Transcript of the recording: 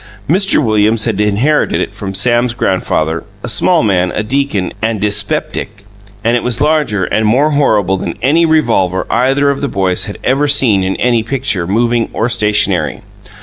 Mr. Williams had inherited it from Sam's grandfather (a small man, a deacon, and dyspeptic) and it was larger and more horrible than any revolver either of the boys had ever seen in any picture, moving or stationary.